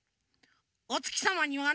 おつきさまにはね